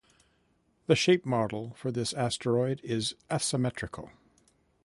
The shape model for this asteroid is asymmetrical.